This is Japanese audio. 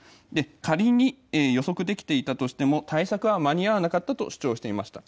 仮に予測できていたとしても、対策は間に合わなかったと主張していました。